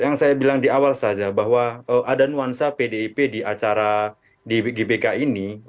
yang saya bilang di awal saja bahwa ada nuansa pdip di acara di gbk ini